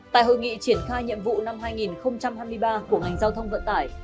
tại hội nghị triển khai nhiệm vụ năm hai nghìn hai mươi ba của ngành giao thông vận tải